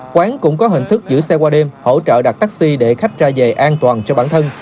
quán cũng có hình thức giữ xe qua đêm hỗ trợ đặt taxi để khách ra dày an toàn cho bản thân